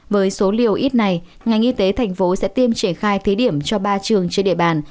với số liều ít này ngành y tế thành phố sẽ tiêm triển khai thí điểm cho ba trường trên địa bàn